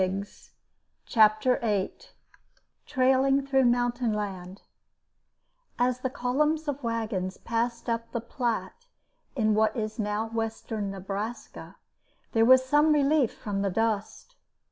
] CHAPTER EIGHT TRAILING THROUGH THE MOUNTAIN LAND AS the column of wagons passed up the Platte in what is now western Nebraska, there was some relief from the dust.